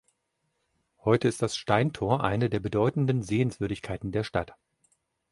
Heute ist das Steintor eine der bedeutenden Sehenswürdigkeiten der Stadt.